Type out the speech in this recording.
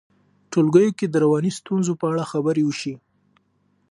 ټولګیو کې د رواني ستونزو په اړه خبرې وشي.